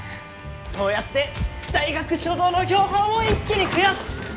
そうやって大学所蔵の標本を一気に増やす！